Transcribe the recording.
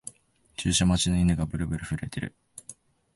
注射待ちの犬がブルブル震えてる